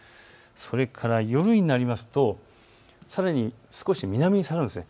それから夜になるとさらに少し南に下がるんです。